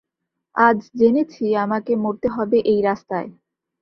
আজ জেনেছি আমাকে মরতে হবে এই রাস্তায়।